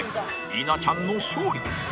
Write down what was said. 稲ちゃんの勝利！